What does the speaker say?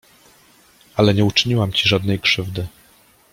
Ale nie uczyniłam ci żadnej krzywdy.